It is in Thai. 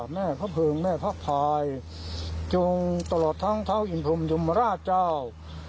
แม่พระเพิงแม่พระพายจงตลอดทั้งท้าวอินพรมยมราชเจ้า